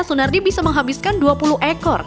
sunardi bisa menghabiskan dua puluh ekor